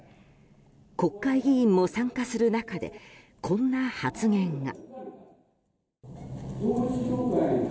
国会議員も参加する中でこんな発言が。